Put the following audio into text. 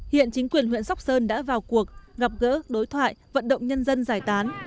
hiện chính quyền huyện sóc sơn đã vào cuộc gặp gỡ đối thoại vận động nhân dân giải tán